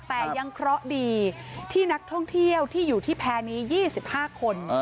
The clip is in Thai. แต่ยังเคราะห์ดีที่นักท่องเที่ยวที่อยู่ที่แพร่นี้๒๕คน